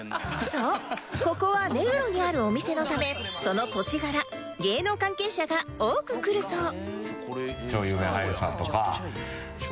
そうここは目黒にあるお店のためその土地柄芸能関係者が多く来るそう